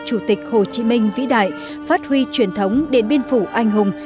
chủ tịch hồ chí minh vĩ đại phát huy truyền thống điện biên phủ anh hùng